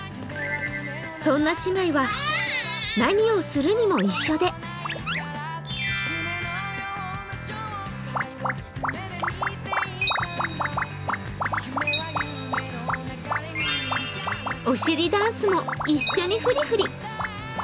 そんな姉妹は何をするにも一緒でお尻ダンスも一緒にフリフリ。